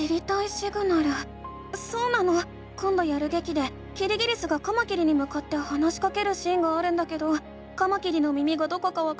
そうなのこんどやるげきでキリギリスがカマキリにむかって話しかけるシーンがあるんだけどカマキリの耳がどこかわからないから知りたいの。